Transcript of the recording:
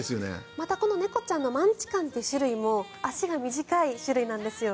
またこのマンチカンという種類も足が短い種類なんですよ。